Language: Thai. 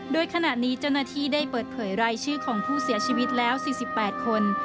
โดยขณะนี้เจ้าหน้าที่ได้เปิดเผยรายชื่อของผู้เสียชีวิตแล้ว๔๘คน